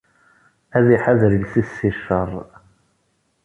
Ad iḥader iles-is si ccer.